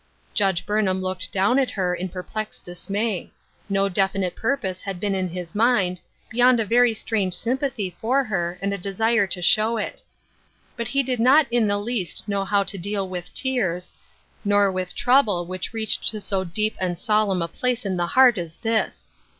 Judge Burnham looked down at her in per plexed dismay. No definite purpose had been in his mind, beyond a very strange sympathy for her, and a desire to show it. But he did not in the least know how to deal with tears, nor with trouble which reached to so deep and solemn a place in the heart as this.